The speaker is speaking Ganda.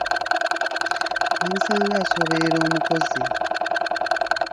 Bamusanga asooberera omukozi.